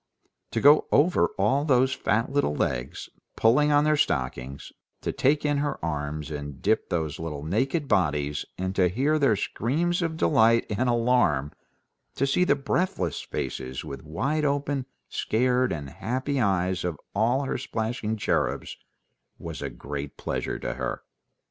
To go over all those fat little legs, pulling on their stockings, to take in her arms and dip those little naked bodies, and to hear their screams of delight and alarm, to see the breathless faces with wide open, scared, and happy eyes of all her splashing cherubs, was a great pleasure to her.